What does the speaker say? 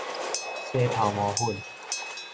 洗頭毛粉